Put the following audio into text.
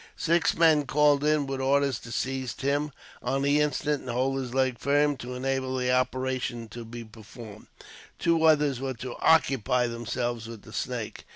Six men were called in, with orders to seize Tim on the instant, and hold his leg firm, to enable the operation to be performed. Two others were to occupy themselves with the snake.